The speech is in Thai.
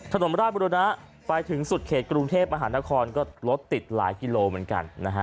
ถนนบราบุรณะไปถึงสุดเขตกรุงเทพอาหารทะคอนก็รถติดหลายกิโลเหมือนกัน